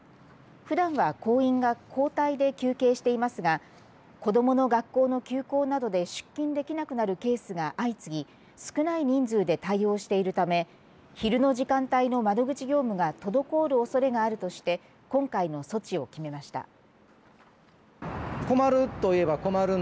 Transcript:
ふだんは行員が交代で休憩していますが子どもの学校の休校などで出勤できなくなるケースが相次ぎ少ない人数で対応しているため昼の時間帯の窓口業務が滞るおそれがあるとして今回の措置を決めました。